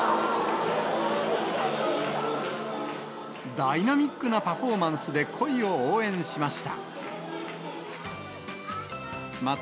ダイナミックなパフォーマンスで恋を応援しました。